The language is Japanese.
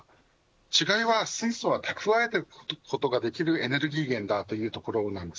違いは、水素は蓄えておくことができるエネルギー源だというところです。